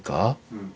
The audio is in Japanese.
うん。